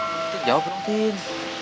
cintin jawab dong cintin